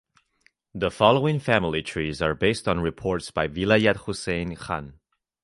The following family trees are based on reports by Vilayat Hussain Khan.